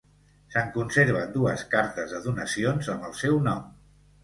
Se'n conserven dues cartes de donacions amb el seu nom.